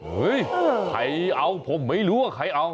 เฮ้ยใครเอาผมไม่รู้ว่าใครเอา